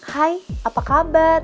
hai apa kabar